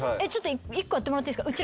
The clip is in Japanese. １個やってもらっていいですか？